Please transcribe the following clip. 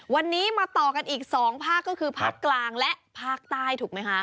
วันนี้มาต่อกันอีก๒ภาคก็คือภาคกลางและภาคใต้ถูกไหมคะ